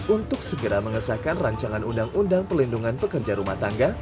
untuk segera mengesahkan rancangan undang undang pelindungan pekerja rumah tangga